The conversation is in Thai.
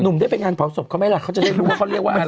หนุ่มได้เป็นงานเผาศพเขาไม่รักเขาจะได้รู้ว่าเขาเรียกว่าอะไร